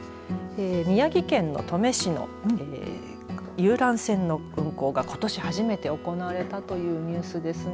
宮城県の登米市の遊覧船の運航がことし初めて行われたというニュースですね。